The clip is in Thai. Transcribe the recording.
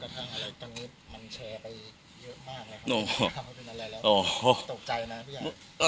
ตรงนี้มันแชร์ไปเยอะมากนะครับ